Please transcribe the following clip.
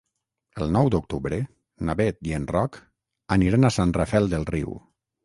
El nou d'octubre na Beth i en Roc aniran a Sant Rafel del Riu.